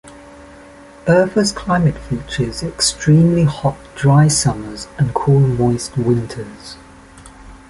Urfa's climate features extremely hot, dry summers and cool, moist winters.